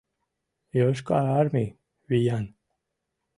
Йошкар Армий виян!